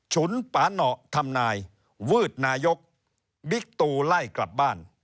ฉุนปาหนอทำนายวืดนายกบิ๊กตูไล่กลับบ้าน